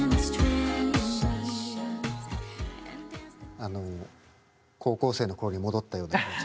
あの高校生の頃に戻ったような気持ち。